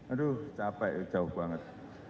aduh capek jauh banget